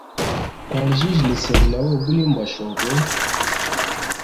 Kwaljija lisinda lya wena ubulimi bwa shobe.